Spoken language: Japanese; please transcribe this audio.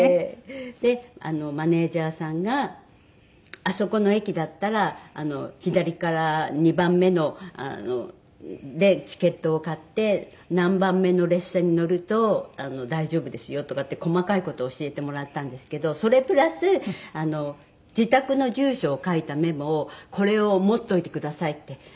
でマネジャーさんが「あそこの駅だったら左から２番目のチケットを買って何番目の列車に乗ると大丈夫ですよ」とかって細かい事を教えてもらったんですけどそれプラス自宅の住所を書いたメモを「これを持っといてください」って。